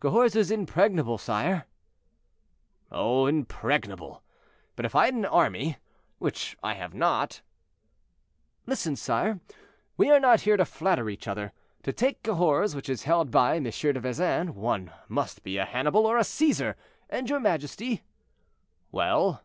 "Cahors is impregnable, sire." "Oh! impregnable! But if I had an army, which I have not—" "Listen, sire. We are not here to flatter each other. To take Cahors, which is held by M. de Vesin, one must be a Hannibal or a Cæsar; and your majesty—" "Well?"